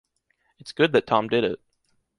It’s good that Tom did it.